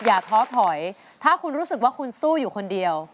ท้อถอยถ้าคุณรู้สึกว่าคุณสู้อยู่คนเดียว